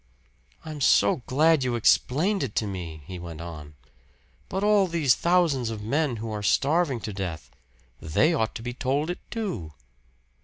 "I'm so glad you explained it to me," he went on. "But all these thousands of men who are starving to death they ought to be told it, too."